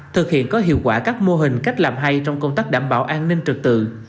thực hiện có hiệu quả các mô hình cách làm hay trong công tác đảm bảo an ninh trực tự